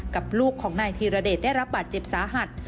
กับลูกของนายธีรเดชได้รับบาดเจ็บสาหัส